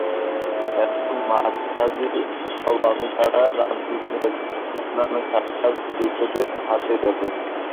এখন মঠাদি সব আমি ছাড়া রামকৃষ্ণের অন্যান্য সাক্ষাৎ শিষ্যদের হাতে গেল।